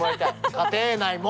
家庭内も。